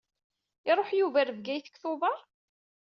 Iṛuḥ Yuba ɣer Bgayet deg Tubeṛ?